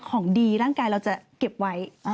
ของดีร่างกายเราจะเก็บไว้